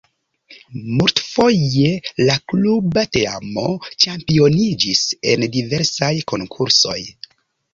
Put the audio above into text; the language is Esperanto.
Multfoje la kluba teamo ĉampioniĝis en diversaj konkursoj.